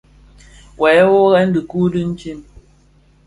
Wè wuorèn wuorèn dhi dikuu ditsem.